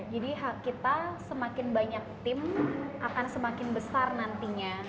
jadi kita semakin banyak tim akan semakin besar nantinya